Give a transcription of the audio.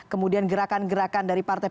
kemudian gerakan gerakan dari partai